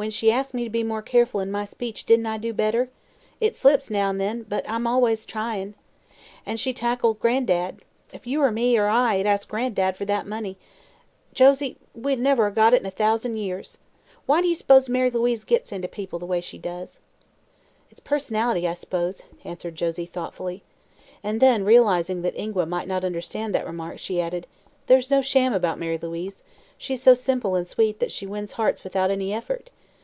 When she asked me to be more careful in my speech didn't I do better? I slips, now an' then, but I'ms always tryin'. And she tackled Gran'dad. If you or me or I had asked Gran'dad for that money, Josie, we'd never 'a' got it in a thousan' years. Why do you s'pose Mary Louise gits into people the way she does?" "It's personality, I suppose," answered Josie, thoughtfully. And then, realizing that Ingua might not understand that remark, she added: "There's no sham about Mary Louise; she's so simple and sweet that she wins hearts without any effort.